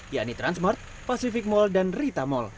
yakni transmart pacific mall dan rita mall